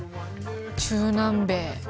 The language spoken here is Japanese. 中南米。